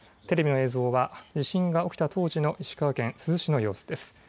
テレビの映像は地震が起きた当時の石川県珠洲市の様子です。